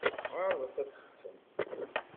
Ɛerḍet ad teṭṭsem.